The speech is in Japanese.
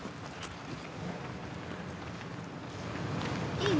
いいね。